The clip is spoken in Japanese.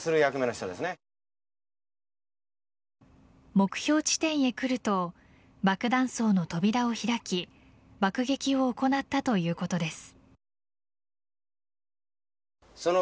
目標地点へ来ると爆弾倉の扉を開き爆撃を行ったということです。